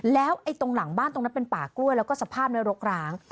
แล้วตรงหลังบ้านตรงนั้นเป็นป่ากล้วยแล้วก็สภาพในรกร้าง